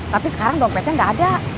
tapi sekarang dompetnya nggak ada